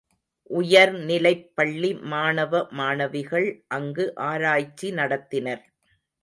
உயர்நிலைப்பள்ளி மாணவ மாணவிகள் அங்கு ஆராய்ச்சி நடத்தினர்.